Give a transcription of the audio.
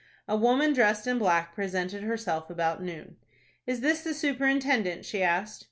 A woman dressed in black presented herself about noon. "Is this the superintendent?" she asked.